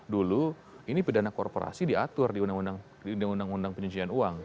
dulu ini pidana korporasi diatur di undang undang pencucian uang